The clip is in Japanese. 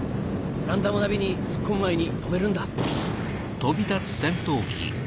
ランダムナビに突っ込む前に止めるんだ。